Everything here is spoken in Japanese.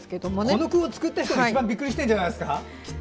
この句を作った人が一番びっくりしてるんじゃないですか。